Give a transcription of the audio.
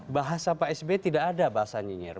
bahasa pak sby tidak ada bahasa nyinyir